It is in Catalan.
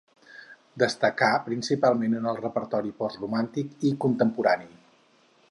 Destacà principalment en el repertori post romàntic i contemporani.